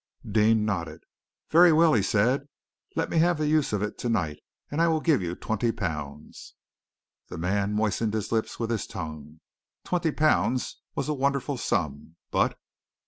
Deane nodded. "Very well," he said, "let me have the use of it to night, and I will give you twenty pounds." The man moistened his lips with his tongue. Twenty pounds was a wonderful sum! But